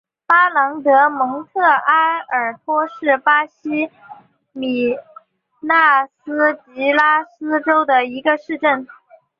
巴朗德蒙特阿尔托是巴西米纳斯吉拉斯州的一个市镇。